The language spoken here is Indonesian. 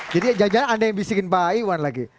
jadi jangan jangan ada yang bisikin pak ewan lagi